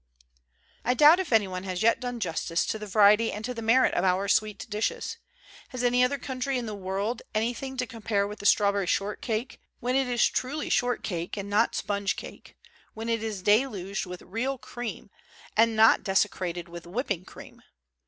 I doubt if any one has yet done justice to the variety and to the merit of our sweet dishes. Has any other country in the world anything to compare with the strawberry short cake, when it is truly short cake and not sponge cake, when it is deluged with real cream and not desecrated with whipped cream?